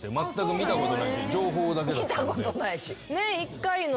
見たことないし。